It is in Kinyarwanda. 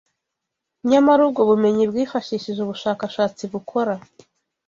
nyamara ubwo bumenyi bwifashishije ubushakashatsi bukora